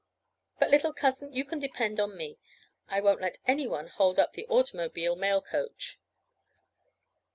But, little cousin, you can depend on me. I won't let any one hold up the automobile mail coach."